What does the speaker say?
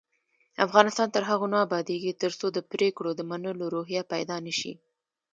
افغانستان تر هغو نه ابادیږي، ترڅو د پریکړو د منلو روحیه پیدا نشي.